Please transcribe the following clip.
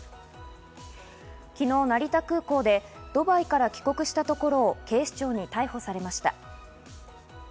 昨日、成田空港でドバイから帰国したところを警視庁に逮捕されました。